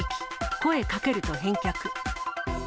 声かけると返却。